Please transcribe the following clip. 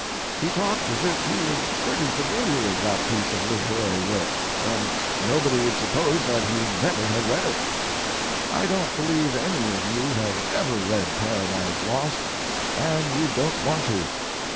He talked as if he was pretty familiar with that piece of literary work, and nobody would suppose that he never had read it. I don't believe any of you have ever read Paradise Lost, and you don't want to.